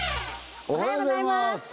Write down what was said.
おはようございます